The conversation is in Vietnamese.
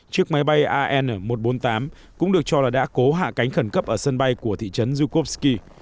chiếc máy bay an một trăm bốn mươi tám cũng được cho là đã cố hạ cánh khẩn cấp ở sân bay của thị trấn yukovsky